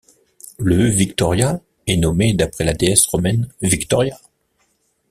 Le Victoria est nommé d'après la déesse romaine Victoria.